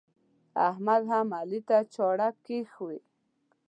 احمد هم علي ته چاړه کښوي.